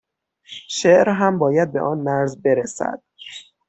شعر هم باید به آن مرز برسد